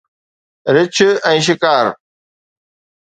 رڇ ۽ شڪار